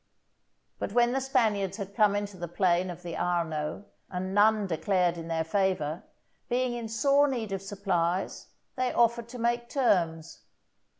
But when the Spaniards had come into the plain of the Arno, and none declared in their favour, being in sore need of supplies, they offered to make terms.